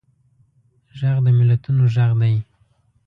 غږ د ملتونو غږ دی